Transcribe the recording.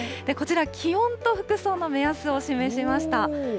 こちら、気温と服装の目安を示しました。